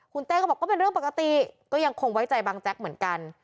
คุณเต้ก็บอกก็เป็นเรื่องปกติก็ยังคงไว้ใจบางแจ๊กเหมือนกัน